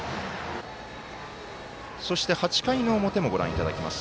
そして、８回の表もご覧いただきます。